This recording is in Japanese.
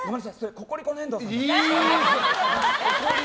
ココリコの遠藤さんだ。